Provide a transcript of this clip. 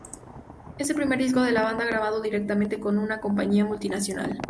Es el primer disco de la banda grabado directamente con una compañía multinacional.